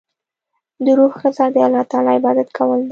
د روح غذا د الله تعالی عبادت کول دی.